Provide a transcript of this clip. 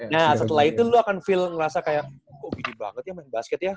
nah setelah itu lu akan feel ngerasa kayak kok gigi banget ya main basket ya